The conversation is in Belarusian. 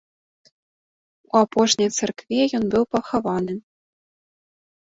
У апошняй царкве ён быў пахаваны.